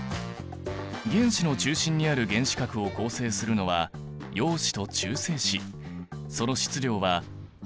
原子の中心にある原子核を構成するのは陽子と中性子。